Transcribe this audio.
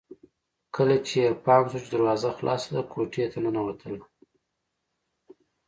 کله چې يې پام شو چې دروازه خلاصه ده کوټې ته ننوتله